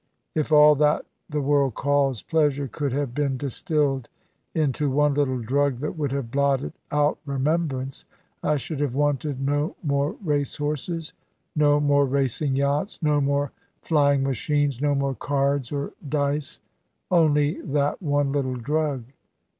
If all that the world calls pleasure could have been distilled into one little drug that would have blotted out remembrance, I should have wanted no more race horses, no more racing yachts, no more flying machines, no more cards or dice, only that one little drug.